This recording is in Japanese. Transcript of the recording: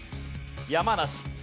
山梨。